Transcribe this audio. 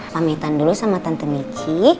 pamitan dulu sama tante nici